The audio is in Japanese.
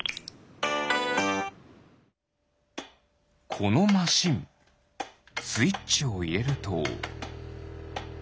このマシンスイッチをいれると。